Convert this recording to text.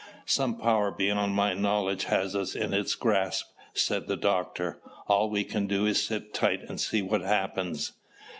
"Some power beyond my knowledge has us in its grasp," said the doctor. "All we can do is sit tight and see what happens.